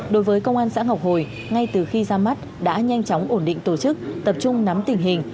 đối với công an xã ngọc hồi ngay từ khi ra mắt đã nhanh chóng ổn định tổ chức tập trung nắm tình hình